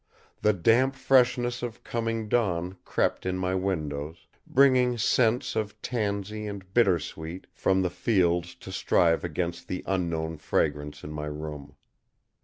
The damp freshness of coming dawn crept in my windows, bringing scents of tansy and bitter sweet from the fields to strive against the unknown fragrance in my room.